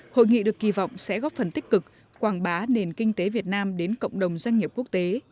hội nghị được kỳ vọng sẽ góp phần tích cực quảng bá nền kinh tế việt nam đến cộng đồng doanh nghiệp quốc tế